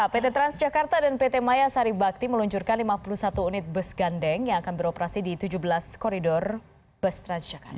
pt transjakarta dan pt maya saribakti meluncurkan lima puluh satu unit bus gandeng yang akan beroperasi di tujuh belas koridor bus transjakarta